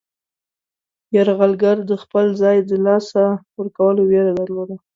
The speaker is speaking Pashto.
یرغلګر د خپل ځای د له لاسه ورکولو ویره درلوده.